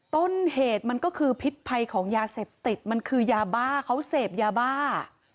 ต้นเหตุมันก็คือพิษภัยของยาเสพติดมันคือยาบ้าเขาเสพยาบ้า